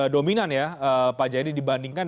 dominan ya pak jayadi dibandingkan